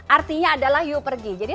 artinya adalah yu pergi